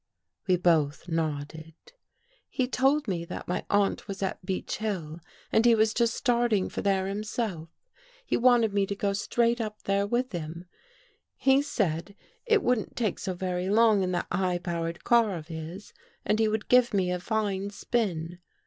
We both nodded. " He told me that my aunt was at Beech Hill and he was just starting for there himself. He wanted me to go straight up there with him. He said it wouldn't take so very long in that high powered car of his, and he could give me a fine spin.